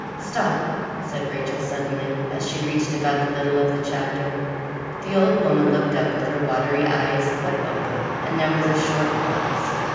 'Stop,' said Rachel suddenly, as she reached about the middle of the chapter. The old woman looked up, with her watery eyes wide open, and there was a short pause.